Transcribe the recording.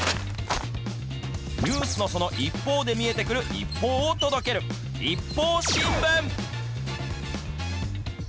ニュースのその一方で見えてくる一報を届ける、ＩＰＰＯＵ新聞。